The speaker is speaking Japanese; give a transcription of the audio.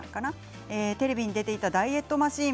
テレビに出ていたダイエットマシン